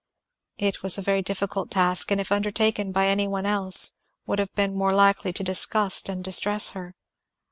It was a very difficult task, and if undertaken by any one else would have been more likely to disgust and distress her.